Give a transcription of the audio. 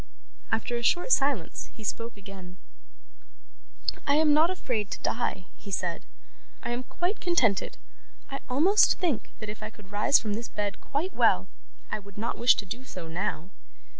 After a short silence, he spoke again. 'I am not afraid to die,' he said. 'I am quite contented. I almost think that if I could rise from this bed quite well I would not wish to do so, now.